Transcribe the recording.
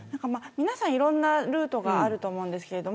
皆さん、いろんなルートがあると思います。